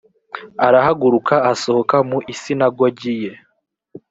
arahaguruka asohoka mu isinagogi ye